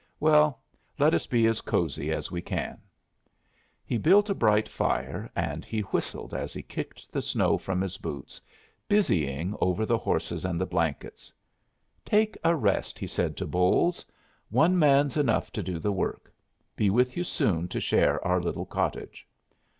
Well, let us be as cosey as we can." He built a bright fire, and he whistled as he kicked the snow from his boots, busying over the horses and the blankets. "Take a rest," he said to Bolles. "One man's enough to do the work. Be with you soon to share our little cottage."